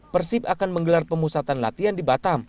persib akan menggelar pemusatan latihan di batam